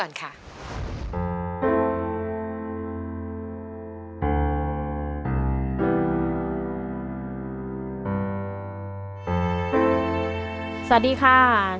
เธอเป็นหญิงแกร่งค่ะเป็นคุณแม่ที่สู้เพื่อลูกอย่างเต็มที่ค่ะไปชมภาพเรื่องราวชีวิตกันก่อนค่ะ